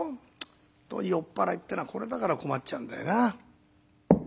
っとに酔っ払いってのはこれだから困っちゃうんだよな」。